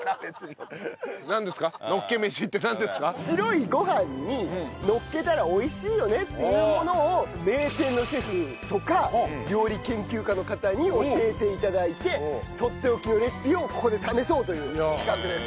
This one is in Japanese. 白いご飯にのっけたら美味しいよねっていうものを名店のシェフとか料理研究家の方に教えて頂いてとっておきのレシピをここで試そうという企画です。